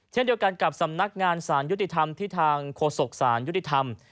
เช่นเดียวกันกับสำนักงานสารยุติธรรมที่ทางโฆษกศาลยุติธรรม